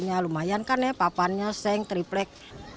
ya lumayan kan ya papannya seng triplek